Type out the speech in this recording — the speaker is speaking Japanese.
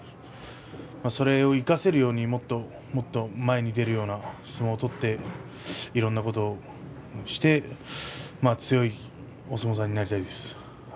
それを生かせるようにもっともっと前に出られるような相撲を取っていろんなことをして強いお相撲さんになりたいです。